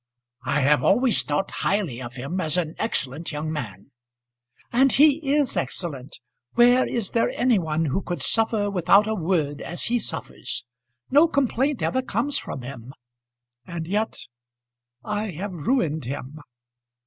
"I have always thought highly of him as an excellent young man." "And he is excellent. Where is there any one who could suffer without a word as he suffers? No complaint ever comes from him; and yet I have ruined him."